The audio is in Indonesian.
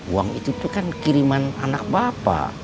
uang itu kan kiriman anak bapak